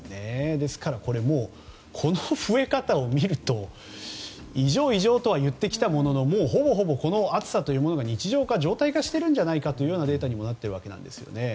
ですから、この増え方を見ると異常、異常とは言ってきたもののもう、ほぼこの暑さというものが日常化しているのではないかというデータにもなっているんですね。